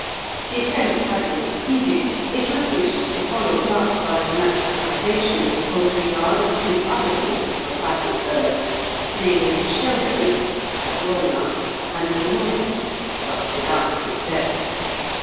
The attempt having succeeded, it was wished to follow it up by the naturalisation in the poultry yard of two other sorts of aquatic birds, namely, the sheldrake (tadorna) and the moorhen, but without success.